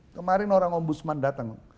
kemarin orang om busman datang